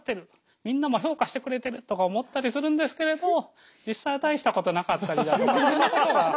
みんなも評価してくれてるとか思ったりするんですけれど実際は大したことなかったりだとか。